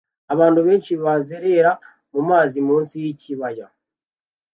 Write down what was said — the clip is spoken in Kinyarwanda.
Abantu benshi bazerera mu mazi munsi yikibaya